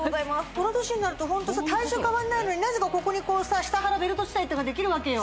この年になるとホントさ体重変わんないのになぜかここにこうさ下腹ベルト地帯っていうのができるわけよ